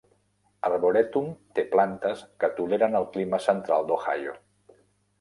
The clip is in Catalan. Arboretum té plantes que toleren el clima central d"Ohio.